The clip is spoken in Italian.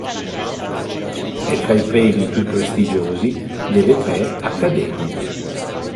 È tra i premi più prestigiosi delle tre accademie.